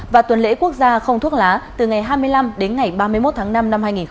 và tuần lễ quốc gia không thuốc lá từ ngày hai mươi năm đến ngày ba mươi một tháng năm năm hai nghìn hai mươi bốn